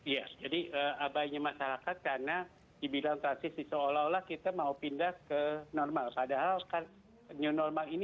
ya jadi abainya masyarakat karena dibilang transisi seolah olah kita mau pindah ke normal